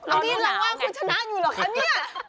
อันนี้กำลังว่างคุณชนะอยู่เหรอคะเนี่ย